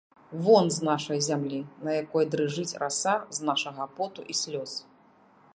Вон з нашай зямлі, на якой дрыжыць раса з нашага поту і слёз!